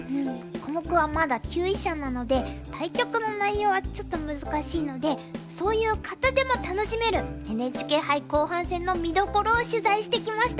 コモクはまだ級位者なので対局の内容はちょっと難しいのでそういう方でも楽しめるＮＨＫ杯後半戦の見どころを取材してきました。